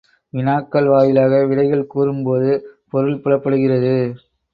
வினாக்கள் வாயிலாக விடைகள் கூறும்போது பொருள் புலப்படுகிறது.